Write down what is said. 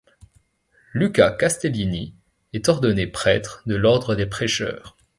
Luca Castellini est ordonné prêtre de l'ordre des Prêcheurs.